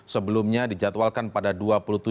sebelumnya dijadwalkan pada dua puluh tujuh